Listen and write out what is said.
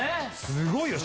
すごいよ！